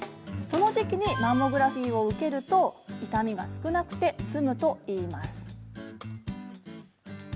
その時期にマンモグラフィーを受けると痛みが少なくて済むといいます。